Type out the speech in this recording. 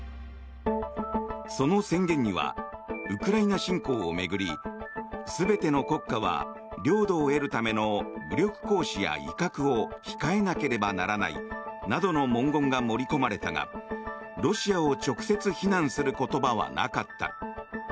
その宣言にはウクライナ侵攻を巡り全ての国家は領土を得るための武力行使や威嚇を控えなければならないなどの文言が盛り込まれたがロシアを直接非難する言葉はなかった。